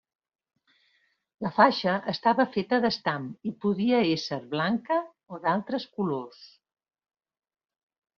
La faixa estava feta d'estam i podia ésser blanca o d'altres colors.